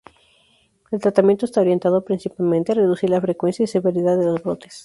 El tratamiento está orientado principalmente a reducir la frecuencia y severidad de los brotes.